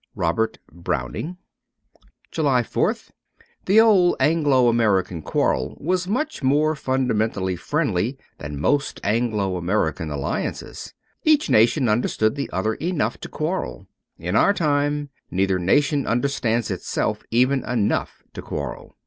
' Robert Biozvning.' 205 JULY 4th INDEPENDENCE DAY THE old Anglo American quarrel was much more fundamentally friendly than most Anglo American alliances. Each nation understood the other enough to quarrel. In our time, neither nation understands itself even enough to quarrel.